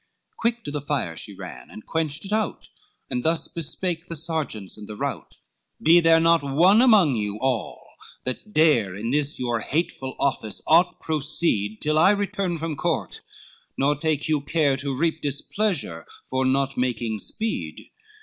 Quick to the fire she ran, and quenched it out, And thus bespake the sergeants and the rout: XLV "Be there not one among you all that dare In this your hateful office aught proceed, Till I return from court, nor take you care To reap displeasure for not making speed."